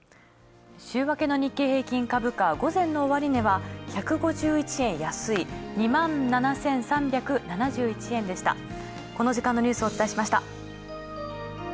週明けの日経平均株価、午前の終値は１５１円安い、２７３７１円でした。